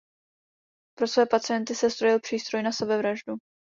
Pro své pacienty sestrojil přístroj na sebevraždu.